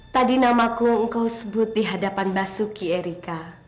tadi namaku engkau sebut di hadapan basuki erika